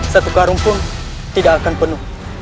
satu karung pun tidak akan penuh